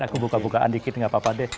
aku buka bukaan dikit gak apa apa deh